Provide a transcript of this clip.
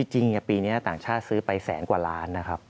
จริงปีนี้ต่างชาติซื้อไปแสนกว่าล้านนะครับ